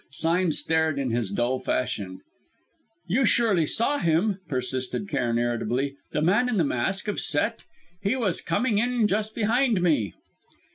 Sime stared in his dull fashion. "You surely saw him?" persisted Cairn irritably; "the man in the mask of Set he was coming in just behind me."